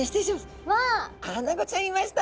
アナゴちゃんいました。